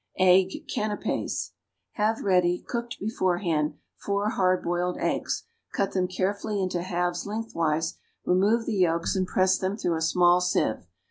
=Egg Canapés.= Have ready, cooked beforehand, four hard boiled eggs; cut them carefully into halves lengthwise, remove the yolks, and press them through a small sieve.